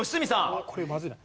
ああこれまずいな。